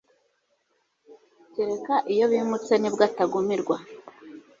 kereka iyo bimutse nibwo atagumirwa